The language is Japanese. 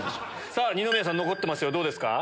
さぁ二宮さん残ってますよどうですか？